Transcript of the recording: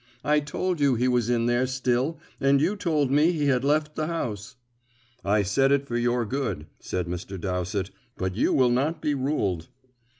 "I told you he was in there still, and you told me he had left the house." "I said it for your good," said Mr. Dowsett, "but you will not be ruled."